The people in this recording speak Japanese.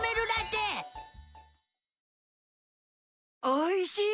おいしい！